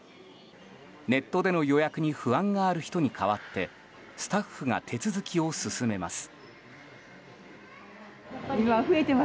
ネットでの予約に不安がある人に代わってスタッフが手続きを進めます。